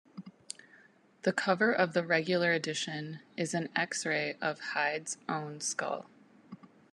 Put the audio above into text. The cover of the regular edition is an X-Ray of Hyde's own skull.